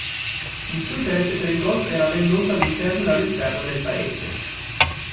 Il suo interesse per il golf era ben noto all'interno e all'esterno del paese.